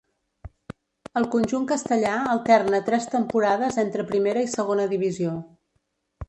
Al conjunt castellà alterna tres temporades entre Primera i Segona Divisió.